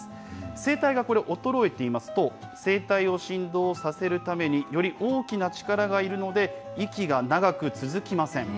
声帯が衰えていますと、声帯を振動させるために、より大きな力がいるので、息が長く続きません。